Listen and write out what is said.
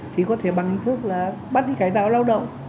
thì có thể bằng hình thức là bắt cải tạo lao động